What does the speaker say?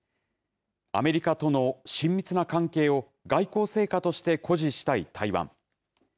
アメリカとの親密な関係を外交成果として誇示したい台湾。